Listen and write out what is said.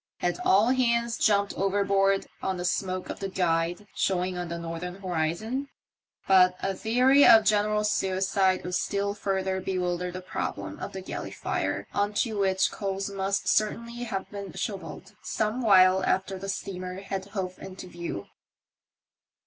Had all hands jumped overboard on the smoke of the Guide showing on the northern horizon ? But a theory of general suicide would still further bewilder the problem of the galley fire on to which coals must certainly have been shovelled some while after the steamer had hove into view.